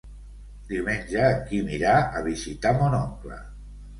Diumenge en Quim irà a visitar mon oncle.